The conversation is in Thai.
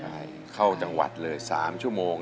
ใช่เข้าจังหวัดเลย๓ชั่วโมง